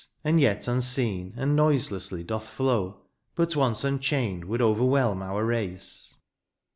And yet unseen, and noiselessly doth flow. But once unchained would overwhelm our race.